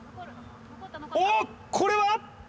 おっこれは！？